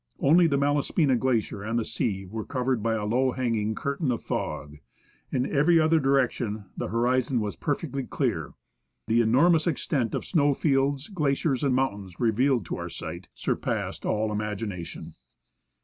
Only the Malaspina Glacier and the sea were covered by a low hanging curtain of fog; in every other direction the horizon was perfectly clear. The enor mous extent of snow fields, glaciers, and mountains revealed to our sight, surpassed all imagination.